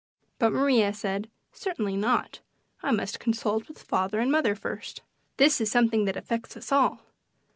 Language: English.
But Maria said: "Certainly not! I must consult with father and mother first. This is something that affects us all.